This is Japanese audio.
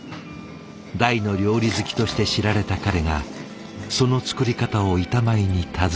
大の料理好きとして知られた彼がその作り方を板前に尋ねたほど。